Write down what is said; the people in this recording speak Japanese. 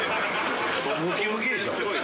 ムキムキでしょ？